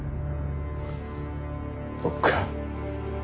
そっか。